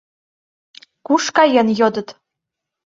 — Куш каен? — йодыт.